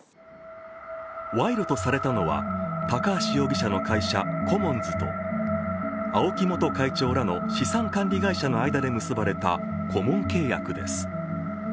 賄賂とされたのは高橋容疑者の会社、コモンズと青木元会長らの資産管理会社の間で結ばれた顧問契約です。